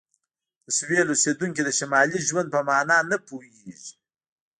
د سویل اوسیدونکي د شمالي ژوند په معنی نه پوهیږي